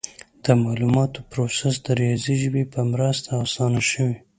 د معلوماتو پروسس د ریاضي ژبې په مرسته اسانه شوی.